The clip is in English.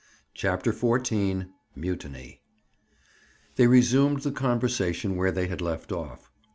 CHAPTER XIV—MUTINY They resumed the conversation where they had left off.